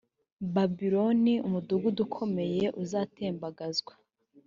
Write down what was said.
babuloni umudugudu ukomeye uzatembagazwa